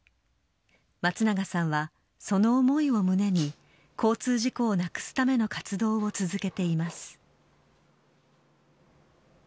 松永さんは、その思いを胸に、交通事故をなくすための活動を続けています。